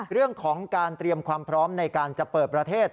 เรื่องของการเตรียมความพร้อมในการจะเปิดประเทศ